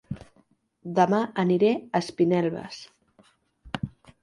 Dema aniré a Espinelves